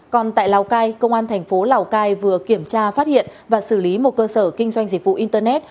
còn tại lào cai công an thành phố lào cai vừa kiểm tra phát hiện và xử lý một cơ sở kinh doanh dịch vụ internet